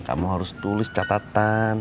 kamu harus tulis catatan